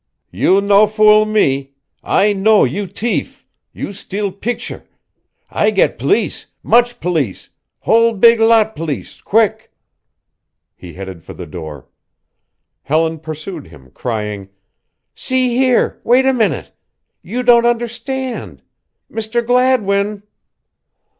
"You no fool me I know you tief you steal picture I get pleece much pleece whole big lot pleece, quick." He headed for the door. Helen pursued him, crying: "See here! Wait a minute! You don't understand! Mr. Gladwin!"